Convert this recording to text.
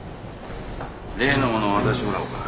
例のものを渡してもらおうか。